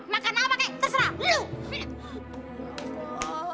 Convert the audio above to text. makan apa terserah